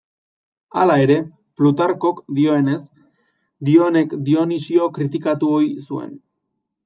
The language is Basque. Hala ere, Plutarkok dionez, Dionek Dionisio kritikatu ohi zuen.